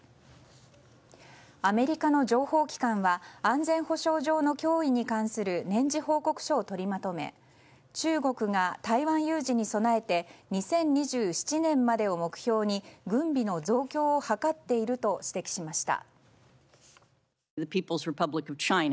アメリカの情報機関は安全保障上の脅威に関する年次報告書をとりまとめ中国が台湾有事に備えて２０２７年までを目標に軍備の増強を図っていると指摘しました。